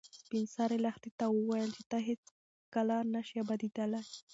سپین سرې لښتې ته وویل چې ته هیڅکله نه شې ابادېدلی.